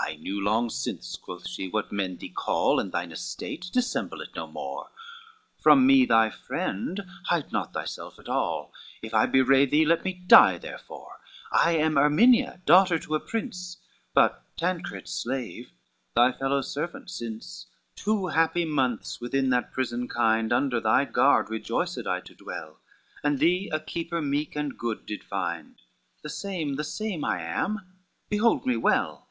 "I knew long since," quoth she, "what men thee call, And thine estate, dissemble it no more, From me thy friend hide not thyself at all, If I betray thee let me die therefore, I am Erminia, daughter to a prince, But Tancred's slave, thy fellow servant since; LXXXII "Two happy months within that prison kind, Under thy guard rejoiced I to dwell, And thee a keeper meek and good did find, The same, the same I am; behold me well."